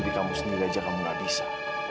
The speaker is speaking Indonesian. jadi kamu sendiri aja kamu nggak bisa